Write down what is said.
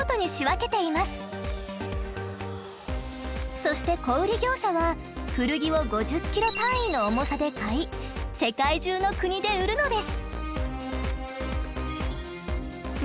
そして小売業者は古着を５０ｋｇ単位の重さで買い世界中の国で売るのです。